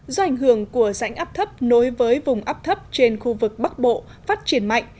do ảnh hưởng của rãnh áp thấp nối với vùng áp thấp trên khu vực bắc bộ phát triển mạnh